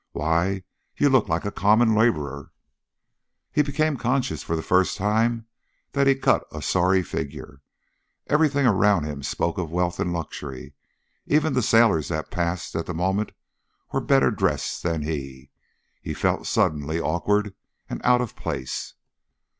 "Why, you look like a common laborer!" He became conscious for the first time that he cut a sorry figure. Everything around him spoke of wealth and luxury. Even the sailor that passed at the moment was better dressed than he. He felt suddenly awkward and out of place.